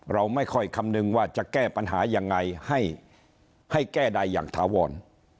เราไม่ค่อยคำนึงว่าจะแก้ปัญหายังไงให้แก้ใดอย่างถาวร